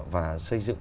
và xây dựng